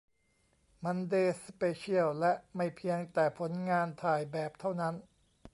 มันเดย์ สเปเชียล และไม่เพียงแต่ผลงานถ่ายแบบเท่านั้น